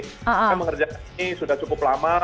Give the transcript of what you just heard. saya mengerjakan ini sudah cukup lama